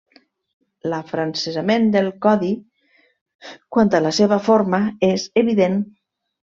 L'afrancesament del Codi quant a la seva forma és evident.